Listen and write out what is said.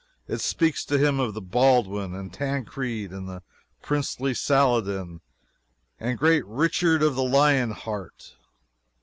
It speaks to him of Baldwin, and Tancred, the princely Saladin, and great Richard of the Lion Heart.